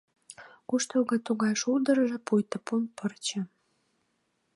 Куштылго тугай шулдыржо, пуйто пун пырче.